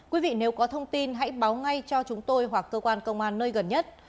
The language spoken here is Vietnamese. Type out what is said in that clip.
quý vị nếu có thông tin hãy báo ngay cho chúng tôi hoặc cơ quan công an nơi gần nhất